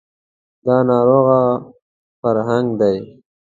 دا ناروغ فرهنګ دی